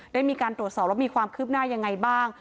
ได้มีการตรวจสอบแล้วมีความคืบหน้ายังไงบ้าง